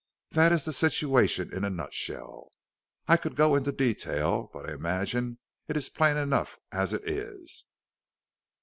This is the situation in a nutshell. I could go into detail, but I imagine it is plain enough as it is."